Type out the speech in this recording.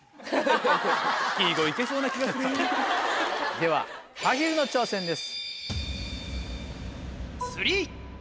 ではまひるの挑戦です。